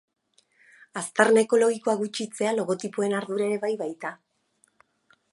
Aztarna ekologikoa gutxitzea logotipoen ardura ere bai baita.